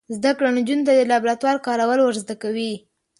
زده کړه نجونو ته د لابراتوار کارول ور زده کوي.